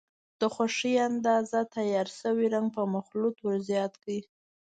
د خوښې اندازه تیار شوی رنګ په مخلوط ور زیات کړئ.